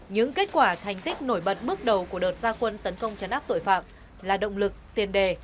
những kết quả thành tích nổi bật bước đầu của đợt gia quân tấn công chấn áp tội phạm là động lực tiền đề